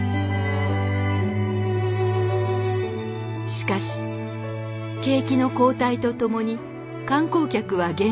しかし景気の後退と共に観光客は減少。